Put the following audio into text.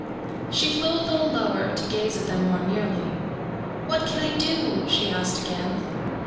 She flew a little lower, to gaze at them more nearly. "What can I do?" she asked again.